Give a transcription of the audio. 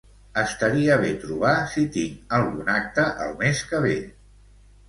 Estaria bé trobar si tinc algun acte el mes que ve.